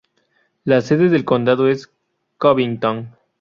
La sede del condado es Covington.